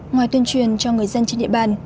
ngoài tuyên truyền cho người dân trên địa bàn